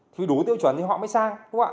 thì đủ tiêu chuẩn thì họ mới sang đúng không ạ